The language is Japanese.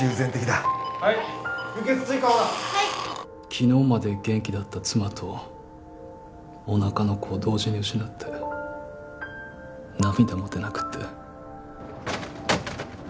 昨日まで元気だった妻とおなかの子を同時に失って涙も出なくって。